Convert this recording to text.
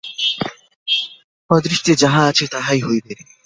অদৃষ্টে যাহা আছে, তাহাই হইবে।